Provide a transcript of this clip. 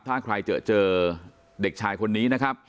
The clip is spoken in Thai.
ถ้าใครเจอเด็กชายคนนี้